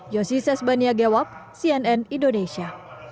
yossi sesbaniagewab cnn indonesia